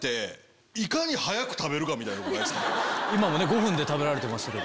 今もね５分で食べられてましたけど。